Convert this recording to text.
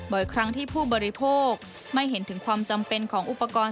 ครั้งที่ผู้บริโภคไม่เห็นถึงความจำเป็นของอุปกรณ์